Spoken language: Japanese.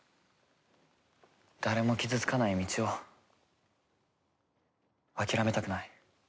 誰も傷つかない道を諦めたくない。